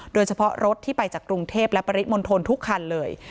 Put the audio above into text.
โดยเฉพาะรถที่ไปจากกรุงเทพและปริมณฑลทุกคันเลย